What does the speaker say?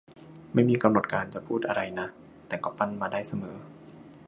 ไม่มีกำหนดการจะพูดอะไรนะ แต่ก็ปั้นมาได้เสมอ